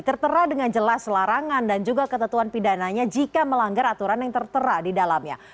tertera dengan jelas larangan dan juga ketentuan pidananya jika melanggar aturan yang tertera di dalamnya